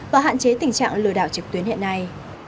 và hạn chế tình trạng lừa đảo trực tuyến hiện nay